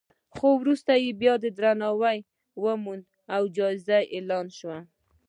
خو وروسته یې نوم درناوی وموند او جایزه اعلان شوه.